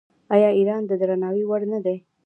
آیا ایران د درناوي وړ نه دی؟